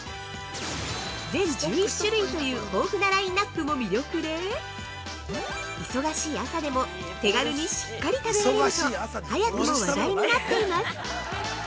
全１１種類という豊富なラインナップも魅力で忙しい朝でも、手軽にしっかり食べられると早くも話題になっています。